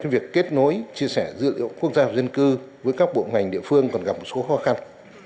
việc kết nối chia sẻ dữ liệu quốc gia và dân cư với các bộ ngành địa phương còn gặp một số khó khăn